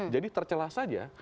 jadi tercelah saja